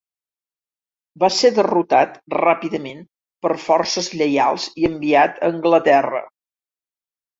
Va ser derrotat ràpidament per forces lleials i enviat a Anglaterra.